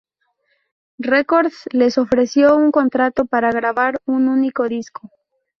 Records les ofreció un contrato para grabar un único disco.